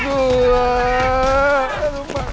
aku lagi parah nih